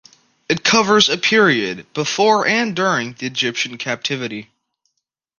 It covers a period before and during the Egyptian captivity.